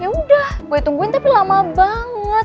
ya udah gue tungguin tapi lama banget